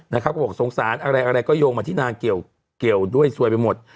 นะคะออกสงสารอะไรก็โยงมาที่นางเกี่ยวด้วยสวยไปหมด